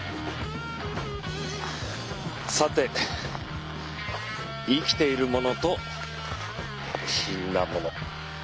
さて生きているものと死んだもの。